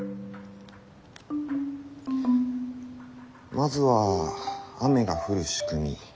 まずは雨が降る仕組み